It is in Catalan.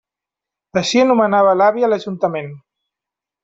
Així anomenava l'àvia l'ajuntament.